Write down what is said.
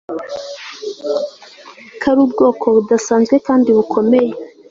ko ari ubwoko budasanzwe kandi bukomeye